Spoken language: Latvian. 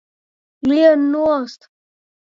Lien nost!